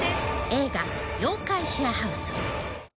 映画「妖怪シェアハウス」。